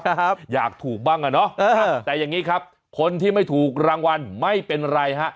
ครับอยากถูกบ้างอ่ะเนาะแต่อย่างนี้ครับคนที่ไม่ถูกรางวัลไม่เป็นไรฮะ